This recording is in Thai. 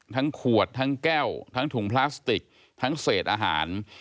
ขวดทั้งแก้วทั้งถุงพลาสติกทั้งเศษอาหาร